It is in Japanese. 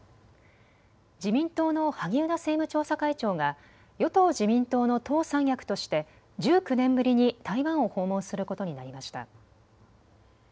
自民党の萩生田政務調査会長が与党自民党の党三役として１９年ぶりに台湾を訪問することになりました。